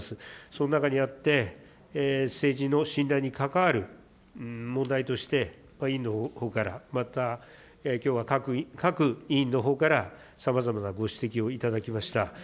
その中にあって、政治の信頼に関わる問題として、委員のほうからまたきょうは各委員のほうから、さまざまなご指摘をいただきました。